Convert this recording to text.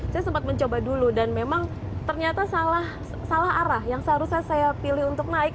saya sempat mencoba dulu dan memang ternyata salah arah yang seharusnya saya pilih untuk naik